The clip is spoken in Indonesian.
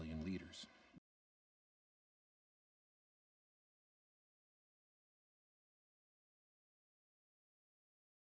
untuk air itu mungkin mengejutkan anda